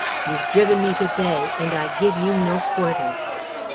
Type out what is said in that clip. You've driven me to bay, and I give you no quarter!'"